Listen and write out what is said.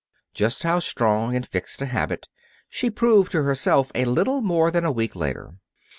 Just how strong and fixed a habit, she proved to herself a little more than a week later.